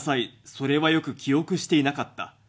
それはよく記憶していなかった。